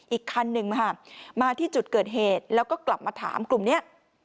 อีกคันหนึ่งมาที่จุดเกิดเหตุแล้วก็กลับมาถามกลุ่มนี้